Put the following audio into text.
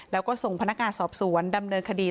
แล้วก็ส่งพนักงานสอบสวนดำเนินคดี